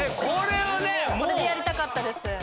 これでやりたかったです。